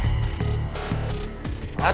atau saya sobek mulut kamu